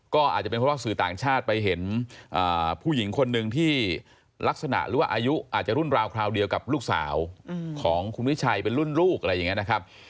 ก็อาจจะเป็นเพราะว่าสื่อต่างชาติไปเห็นผู้หญิงคนหนึ่งที่ลักษณะหรือว่าอายุอาจจะรุ่นราวคราวเดียวกับลูกสาวของคุณวิชัยเป็นรุ่นลูกอะไรอย่างนี้นะครับ